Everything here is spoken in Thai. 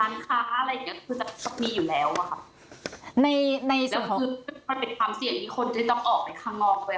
ร้านค้าอะไรอย่างเงี้ยคือจะต้องมีอยู่แล้วอะค่ะในในส่วนของแล้วคือพอเป็นความเสี่ยงมีคนที่ต้องออกไปข้างนอกด้วย